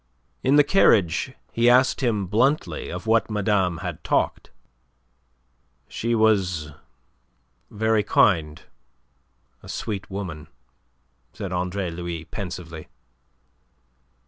In the carriage he asked him bluntly of what madame had talked. "She was very kind a sweet woman," said Andre Louis pensively.